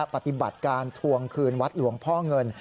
ปฏิบัติการทวงคืนวัดหลวงพ่อเงิน